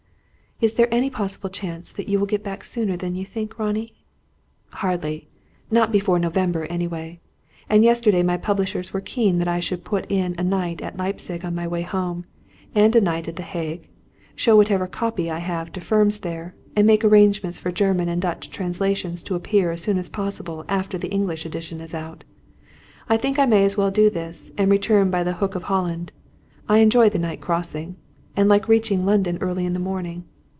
"Is there any possible chance that you will get back sooner than you think, Ronnie?" "Hardly. Not before November, anyway. And yesterday my publishers were keen that I should put in a night at Leipzig on my way home, and a night at the Hague; show whatever 'copy' I have to firms there, and make arrangements for German and Dutch translations to appear as soon as possible after the English edition is out. I think I may as well do this, and return by the Hook of Holland. I enjoy the night crossing, and like reaching London early in the morning.